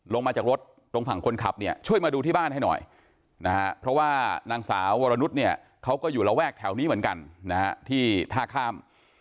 ลงมาจากรถตรงฝั่งคนขับเนี่ยช่วยมาดูที่บ้านให้หน่อยนะฮะเพราะว่านางสาววรนุษย์เนี่ยเขาก็อยู่ระแวกแถวนี้เหมือนกันนะฮะที่ท่าข้าม